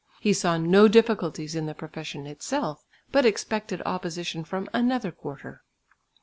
He saw no difficulties in the profession itself, but expected opposition from another quarter.